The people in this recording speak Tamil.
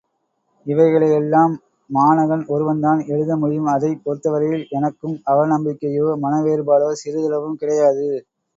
இவைகளை எல்லாம் மாணகன் ஒருவன்தான் எழுத முடியும் அதைப் பொறுத்தவரையில் எனக்கும் அவ நம்பிக்கையோ மனவேறுபாடோ சிறிதளவும் கிடையாது.